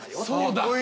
そうだ。